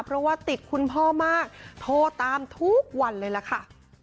เพราะว่าติดคุณพ่อมากโทรตามทุกวันเลยล่ะค่ะ